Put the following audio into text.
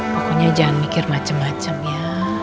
pokoknya jangan mikir macem macem ya